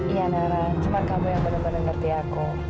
iya nara cuma kamu yang benar benar ngerti aku